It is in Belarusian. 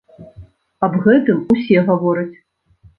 Аб гэтым усе гавораць.